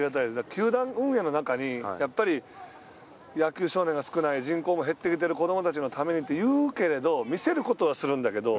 球団運営の中に、やっぱり野球少年が少ない、人口も減ってきている、子どもたちのためにと言うけど、見せることはするんだけども、